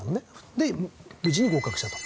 で無事に合格したと。